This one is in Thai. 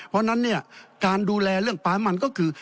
เพราะฉะนั้นเนี่ยการดูแลเรื่องปลามันก็คือ